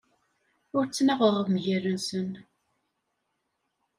Ur ttnaɣeɣ mgal-nsen.